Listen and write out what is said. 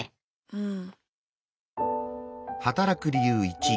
うん。